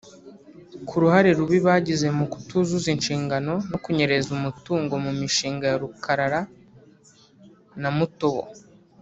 ku ruhare rubi bagize mu kutuzuza inshingano no kunyereza umutungo mu mishinga ya Rukarara na Mutobo